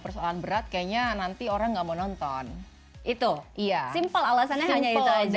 persoalan berat kayaknya nanti orang nggak mau nonton itu iya simple alasannya hanya itu aja